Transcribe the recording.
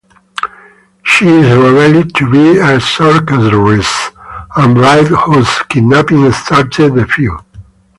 She is revealed to be a sorceress and bride whose kidnapping started the feud.